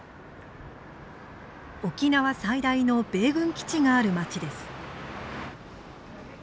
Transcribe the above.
沖縄最大の米軍基地がある町です。